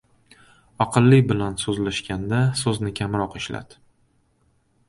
Aqlli bilan so‘zlashganda so‘zni kamroq ishlat.